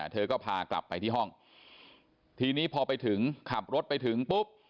เธอก็พากลับไปที่ห้องทีนี้พอไปถึงขับรถไปถึงปุ๊บ